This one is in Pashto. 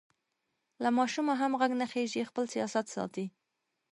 له ماشومه هم غږ نه خېژي؛ خپل سیاست ساتي.